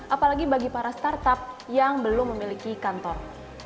apalagi bagi para startup yang belum memiliki kantor